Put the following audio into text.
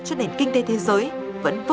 cho nền kinh tế thế giới vẫn không được tìm ra